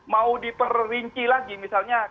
mau diperinci lagi misalnya